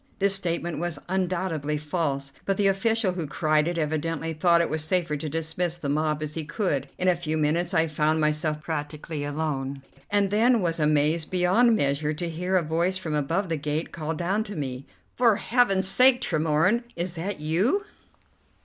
This statement was undoubtedly false, but the official who cried it evidently thought it was safer to dismiss the mob as he could. In a few minutes I found myself practically alone, and then was amazed beyond measure to hear a voice from above the gate call down to me: "For Heaven's sake, Tremorne, is that you?"